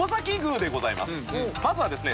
まずはですね。